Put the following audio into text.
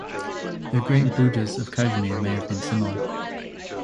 The great Buddhas of Kashmir may have been similar.